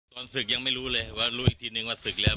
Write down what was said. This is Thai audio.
ตอนศึกยังไม่รู้เลยว่ารู้อีกทีนึงว่าศึกแล้ว